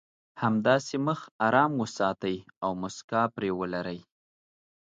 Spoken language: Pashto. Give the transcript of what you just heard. همداسې مخ ارام وساتئ او مسکا پرې ولرئ.